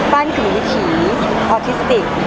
ต้านคือวิธีออทิสติก